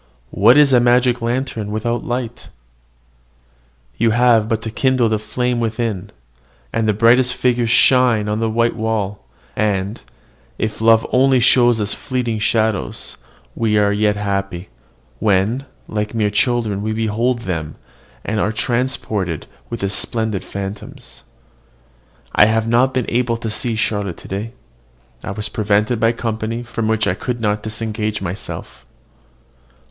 What is a magic lantern without light? You have but to kindle the flame within, and the brightest figures shine on the white wall; and, if love only show us fleeting shadows, we are yet happy, when, like mere children, we behold them, and are transported with the splendid phantoms. I have not been able to see Charlotte to day. I was prevented by company from which I could not disengage myself.